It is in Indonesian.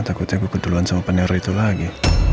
takutnya gue keduluan sama peneror itu lagi